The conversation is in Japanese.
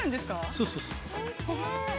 ◆そうそうそう。